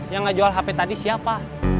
yang gak jual hp tadi siapa